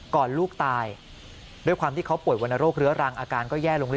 ลูกตายด้วยความที่เขาป่วยวรรณโรคเรื้อรังอาการก็แย่ลง